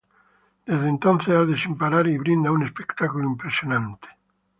Desde entonces arde sin parar y brinda un espectáculo impresionante.